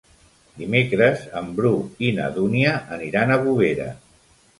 Dimecres en Bru i na Dúnia aniran a Bovera.